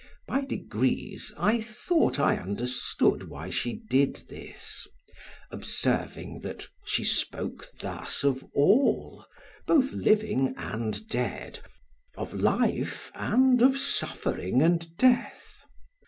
By degrees, I thought I understood why she did this, observing that she spoke thus of all, both living and dead, of life and of suffering and death.